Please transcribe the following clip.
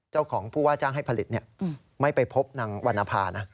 เจ้าของผู้ว่าจ้างให้ผลิตไม่ไปพบนางวรรณภานะ